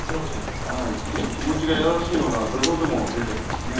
気持ちが優しいのが土俵上でも出ているんですね。